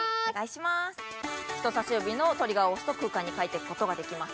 人さし指のトリガーを押すと空間に描いていく事ができます。